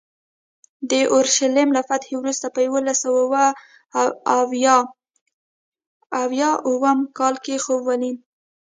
د اورشلیم له فتحې وروسته په یوولس سوه اویا اووم کال خوب ولید.